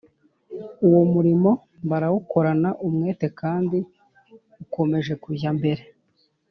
uwo murimo barawukorana umwete kandi ukomeje kujya mbere